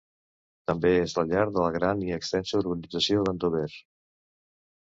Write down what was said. També és la llar de la gran i extensa urbanització d'Andover.